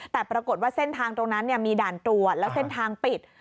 แต่ปรากฏว่าเส้นทางตรงนั้นมีด่านตรวจแล้วเส้นทางปิด